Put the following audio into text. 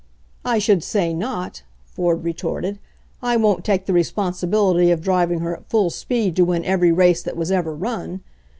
"I should say not!" Ford retorted. "I won't take the responsibility of driving her at full speed to win every race that was ever run.